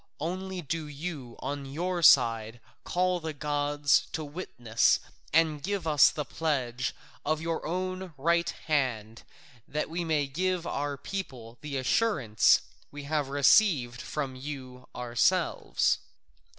Only do you on your side call the gods to witness and give us the pledge of your own right hand, that we may give our people the assurance we have received from you ourselves."